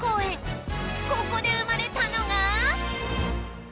ここで生まれたのが